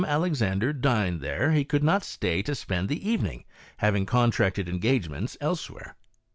Alexandre dined there, he could not stay to spend the evening, having contracted engagements elsewhere.